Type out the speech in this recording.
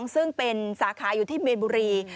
ซึ่งเป็นสาขาอยู่ที่เมนบุรี